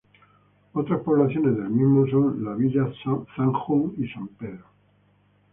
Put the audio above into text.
Otras poblaciones del mismo son Villa Zanjón, San Pedro.